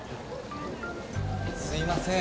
すみません。